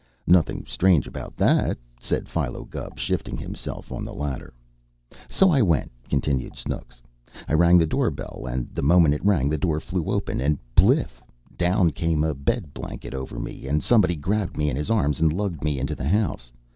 "Nothing strange about that," said Philo Gubb, shifting himself on the ladder. "So I went," continued Snooks. "I rang the doorbell and, the moment it rang, the door flew open and bliff! down came a bed blanket over me and somebody grabbed me in his arms and lugged me into the house.